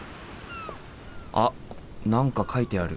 あっ何か書いてある。